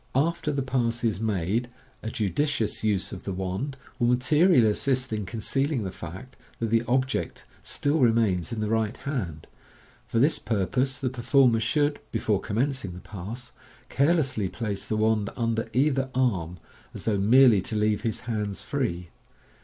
After the pass is made, a judicious use of the wand will mate rially assist in concealing the fact that the object still re mains in the right hand. For this purpose the performer should, before commencing the pass, carelessly place the wand under either arm, as though merely to leave his hands free.